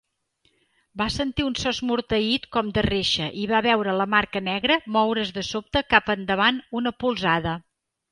Va sentir un so esmorteït com de reixa i va veure la marca negra moure's de sobte cap a endavant una polzada.